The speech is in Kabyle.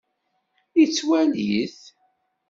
Yettwali-t.